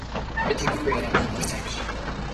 Би тиймэрхүү ярианд нэг их сайн биш.